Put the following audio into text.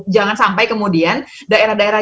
jangan sampai kemudian daerah daerah